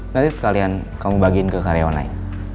nanti sekalian kamu bagiin ke karyawan lain